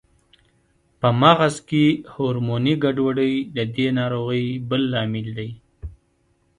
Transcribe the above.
په مغز کې هورموني ګډوډۍ د دې ناروغۍ بل لامل دی.